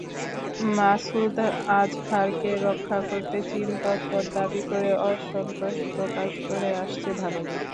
মাসুদ আজহারকে রক্ষা করতে চীন তৎপর দাবি করে অসন্তোষ প্রকাশ করে আসছে ভারত।